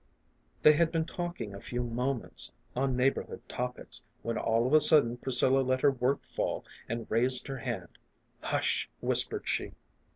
They had been talking a few moments on neighborhood topics, when all of a sudden Priscilla let her work fall and raised her hand. " Hush !" whispered she.